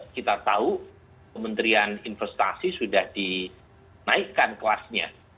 kita tahu kementerian investasi sudah dinaikkan kelasnya